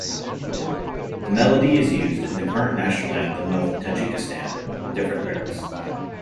The melody is used in the current national anthem of Tajikistan, with different lyrics.